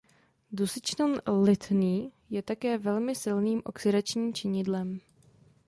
Dusičnan lithný je také velmi silným oxidačním činidlem.